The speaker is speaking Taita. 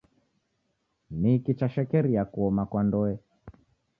Niki chashekeria kuoma kwa ndoe